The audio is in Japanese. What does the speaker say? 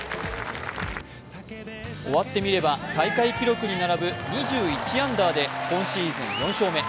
おわってみれば大会記録に並ぶ２１アンダーで今シーズン４勝目。